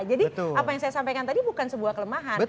jadi apa yang saya sampaikan tadi bukan sebuah kelemahan